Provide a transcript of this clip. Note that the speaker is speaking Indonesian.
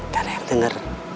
tidak ada yang dengar